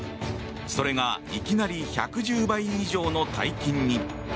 それが、いきなり１１０倍以上の大金に。